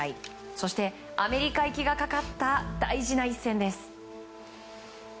そしてアメリカ行きがかかった大事な一戦です。